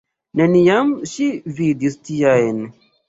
Neniam ŝi vidis tiajn!